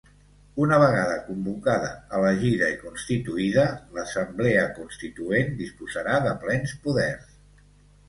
Una vegada convocada, elegida i constituïda, l’assemblea constituent disposarà de plens poders.